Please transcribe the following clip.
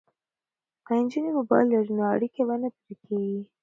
که نجونې موبایل ولري نو اړیکه به نه پرې کیږي.